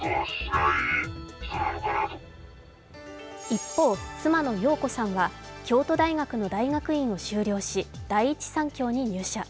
一方、妻の容子さんは京都大学の大学院を修了し、第一三共に入社。